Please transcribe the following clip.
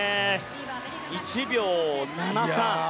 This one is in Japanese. １秒７３。